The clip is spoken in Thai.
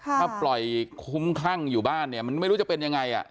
ถ้าปล่อยคุ้มคลั่งอยู่บ้านเนี่ยมันไม่รู้จะเป็นยังไงอ่ะ